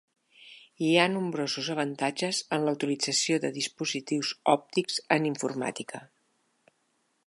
Hi ha nombrosos avantatges en la utilització de dispositius òptics en informàtica.